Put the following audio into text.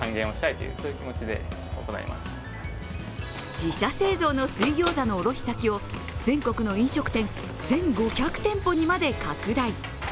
自社製造の水ギョーザの卸し先を全国の飲食店１５００店舗にまで拡大。